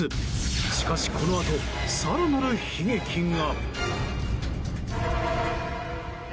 しかし、このあと更なる悲劇が。